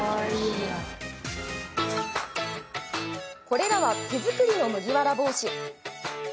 これらは手作りの麦わら帽子。